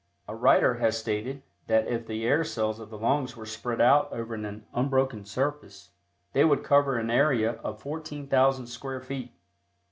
A writer has stated that if the air cells of the lungs were spread out over an unbroken surface, they would cover an area of fourteen thousand square feet.